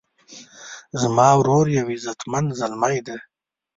زما ورور یو غیرتمند زلمی ده